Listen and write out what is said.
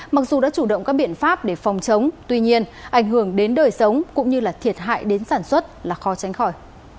mặc dù đã chủ động các biện pháp để phòng chống tuy nhiên ảnh hưởng đến đời sống cũng như là thiệt hại đến sản xuất là khó tránh khỏi